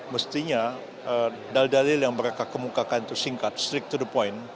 mestinya dalil dalil yang mereka kemukakan itu singkat strict to the point